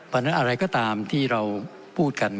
เพราะฉะนั้นอะไรก็ตามที่เราพูดกัน